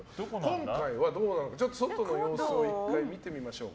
今回は、どうなのか外の様子を見てみましょう。